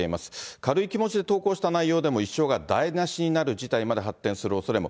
軽い気持ちで投稿した内容でも、一生が台無しになる事態にまで発展するおそれも。